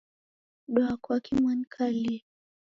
Daa kwaki mwanikalia?